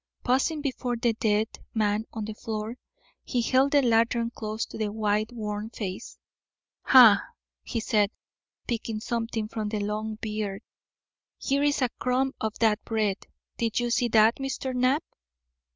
Pausing before the dead man on the floor, he held the lantern close to the white, worn face. "Ha!" said he, picking something from the long beard, "here's a crumb of that same bread. Did you see that, Mr. Knapp?"